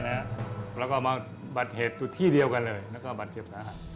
แล้วก็เอามาบัติเหตุที่เดียวกันเลยแล้วก็เอาบัติเจ็บสาหัส